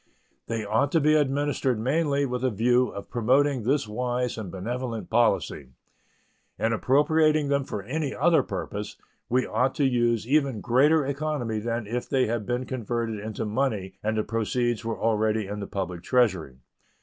They ought to be administered mainly with a view of promoting this wise and benevolent policy. In appropriating them for any other purpose we ought to use even greater economy than if they had been converted into money and the proceeds were already in the public Treasury.